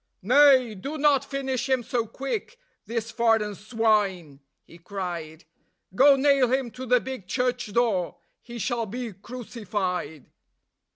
"Nay, do not finish him so quick, this foreign swine," he cried; "Go nail him to the big church door: he shall be crucified."